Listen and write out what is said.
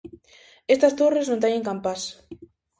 Estas torres non teñen campás.